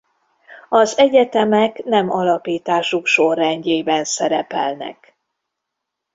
Az egyetemek nem alapításuk sorrendjében szerepelnek.